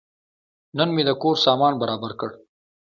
نن مې د کور سامان برابر کړ.